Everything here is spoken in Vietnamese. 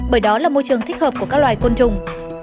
bởi đó là môi trường thích hợp của các loài côn trùng